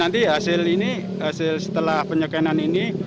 nanti hasil ini hasil setelah penyekanan ini